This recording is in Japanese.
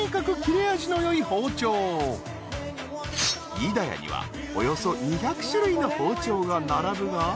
［飯田屋にはおよそ２００種類の包丁が並ぶが］